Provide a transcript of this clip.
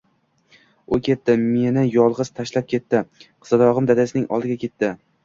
U ketdi, meni yolg'iz tashlab ketdi, qizalog'im dadasining oldiga ketdi